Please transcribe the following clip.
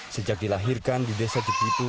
sejak dilahirkan di desa jepitu